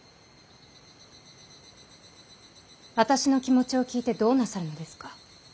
私の気持ちを聞いてどうなさるのですか。